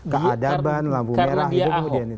keadaban lampu merah itu kemudian